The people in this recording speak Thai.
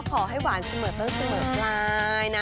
ก็ขอให้หวานเสมอเสมอได้นะ